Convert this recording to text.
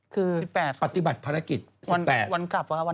คือวันตะวันใหลเกินข่าวงาน